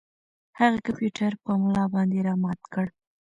هغه کمپیوټر په ملا باندې را مات کړ.